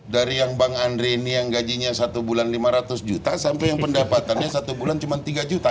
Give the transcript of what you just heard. dari yang bang andre ini yang gajinya satu bulan lima ratus juta sampai yang pendapatannya satu bulan cuma tiga juta